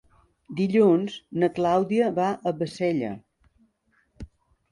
Dilluns na Clàudia va a Bassella.